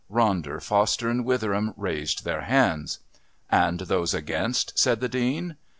Ronder, Foster and Witheram raised their hands. "And those against?" said the Dean.